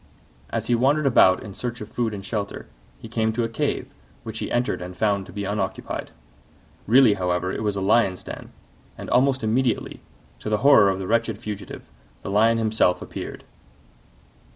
As he wandered about in search of food and shelter, he came to a cave, which he entered and found to be unoccupied. Really, however, it was a Lion's den, and almost immediately, to the horror of the wretched fugitive, the Lion himself appeared.